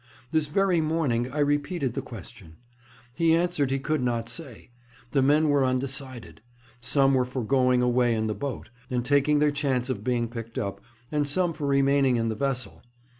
This very morning I repeated the question. He answered he could not say. The men were undecided. Some were for going away in the boat, and taking their chance of being picked up, and some for remaining in the vessel.